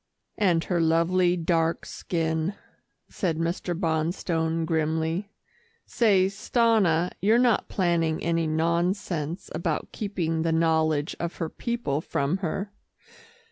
"And her lovely dark skin," said Mr. Bonstone grimly. "Say, Stanna you're not planning any nonsense about keeping the knowledge of her people from her?"